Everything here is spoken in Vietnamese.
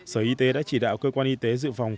sở y tế đã chỉ đạo cơ quan y tế dự phòng